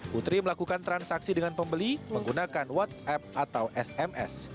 putri melakukan transaksi dengan pembeli menggunakan whatsapp atau sms